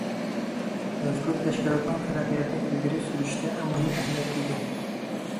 مەزكۇر تەشكىلاتنىڭ تەرەققىياتنى ئىلگىرى سۈرۈشتە مۇھىم ئەھمىيەتكە ئىگە.